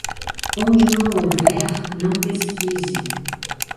Onde não houver, não pesquise.